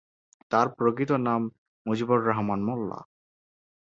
তাঁর প্রকৃত নাম মুজিবুর রহমান মোল্লা।